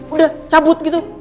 udah cabut gitu